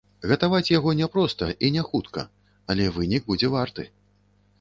Гатаваць яго не проста і не хутка, але вынік будзе варты.